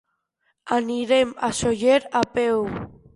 Anirem a Sóller a peu.